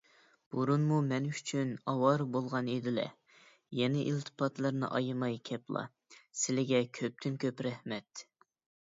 بۇرۇنمۇ مەن ئۈچۈن ئاۋارە بولغان ئىدىلە، يەنە ئىلتىپاتلىرىنى ئايىماي كەپلا. سىلىگە كۆپتىن - كۆپ رەھمەت!